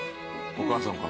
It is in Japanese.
お母さんか。